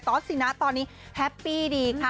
อสสินะตอนนี้แฮปปี้ดีค่ะ